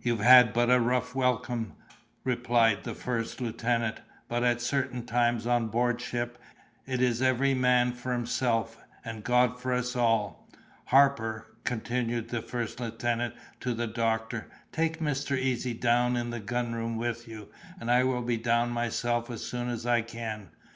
"You've had but a rough welcome," replied the first lieutenant, "but at certain times on board ship, it is every man for himself and God for us all. Harpur," continued the first lieutenant to the doctor, "take Mr. Easy down in the gun room with you, and I will be down myself as soon as I can.